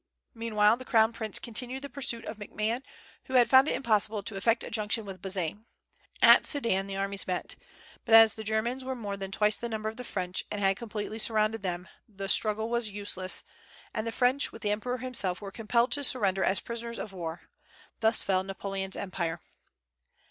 Meanwhile, the crown prince continued the pursuit of McMahon, who had found it impossible to effect a junction with Bazaine. At Sedan the armies met; but as the Germans were more than twice the number of the French, and had completely surrounded them, the struggle was useless, and the French, with the emperor himself, were compelled to surrender as prisoners of war. Thus fell Napoleon's empire.